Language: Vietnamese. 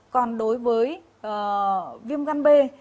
còn đối với viêm gan b